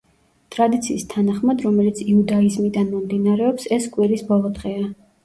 ტრადიციის თანახმად, რომელიც იუდაიზმიდან მომდინარეობს, ეს კვირის ბოლო დღეა.